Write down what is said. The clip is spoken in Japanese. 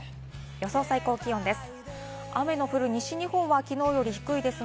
予想最高気温です。